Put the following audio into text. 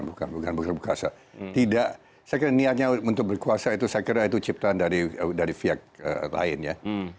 bukan bukan berkuasa tidak saya kira niatnya untuk berkuasa itu saya kira itu ciptaan dari pihak lain ya